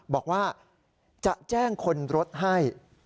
บอกว่าจะแจ้งคนรถให้